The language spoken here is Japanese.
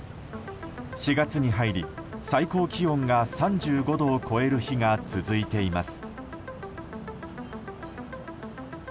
４月に入り、最高気温が３５度を超える日が続いています。